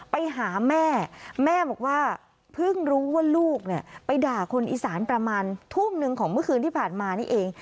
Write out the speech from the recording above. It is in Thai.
ไปหาแม่แม่บอกว่าเพิ่งรู้ว่าลูกเนี่ยไปด่าคนอีสานประมาณทุ่มหนึ่งของเมื่อคืนที่ผ่านมานี่เอง